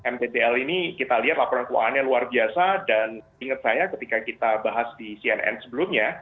mtbl ini kita lihat laporan keuangannya luar biasa dan ingat saya ketika kita bahas di cnn sebelumnya